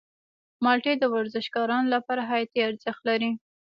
مالټې د ورزشکارانو لپاره حیاتي ارزښت لري.